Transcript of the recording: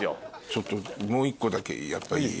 ちょっともう１個だけいい？